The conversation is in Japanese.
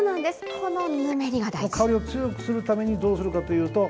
このぬめりが大事。